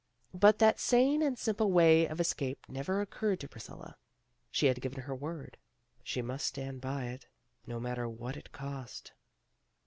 But that sane and simple way of escape never oc curred to Priscilla. She had given her word. She must stand by it, no matter what it cost.